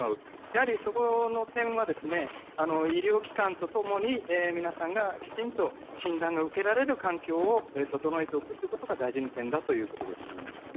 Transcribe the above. やはりそこの点は、医療機関と共に皆さんがきちんと診断が受けられる環境を整えておくことが大事な点です。